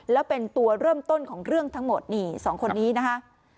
แล้วเป็นตัวเริ่มต้นของเรื่องทั้งหมดนี่๒คนนี้นะคะ